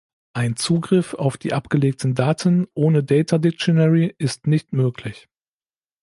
Ein Zugriff auf die abgelegten Daten ohne Data-Dictionary ist nicht möglich.